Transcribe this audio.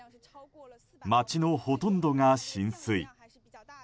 街のほとんどが浸水。